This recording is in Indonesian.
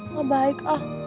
gak baik ah